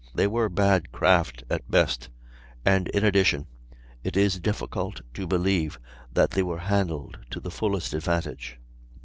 They were bad craft at best; and, in addition, it is difficult to believe that they were handled to the fullest advantage.